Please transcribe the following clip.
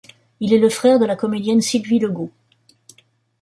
Il est le frère de la comédienne Sylvie Legault.